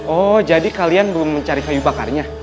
oh jadi kalian belum mencari kayu bakarnya